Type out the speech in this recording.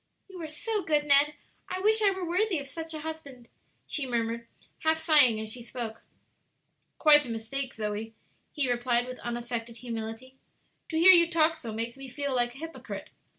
"You are so good, Ned! I wish I were worthy of such a husband," she murmured, half sighing as she spoke. "Quite a mistake, Zoe," he replied, with unaffected humility; "to hear you talk so makes me feel like a hypocrite.